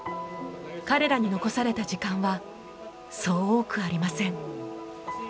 彼らに残された時間はそう多くありません。